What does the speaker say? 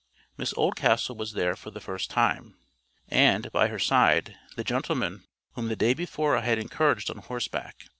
Miss Oldcastle was there for the first time, and, by her side, the gentleman whom the day before I had encountered on horseback.